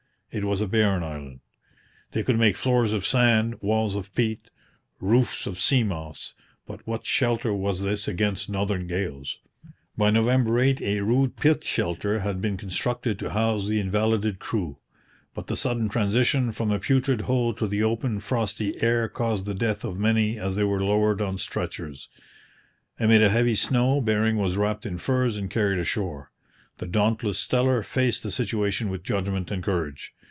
It was a barren island. They could make floors of sand, walls of peat, roofs of sea moss; but what shelter was this against northern gales? By November 8 a rude pit shelter had been constructed to house the invalided crew; but the sudden transition from the putrid hold to the open, frosty air caused the death of many as they were lowered on stretchers. Amid a heavy snow Bering was wrapped in furs and carried ashore. The dauntless Steller faced the situation with judgment and courage.